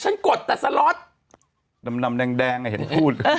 ฉันกดแต่สส่ดำดำแดงแดงไอเห็นพูด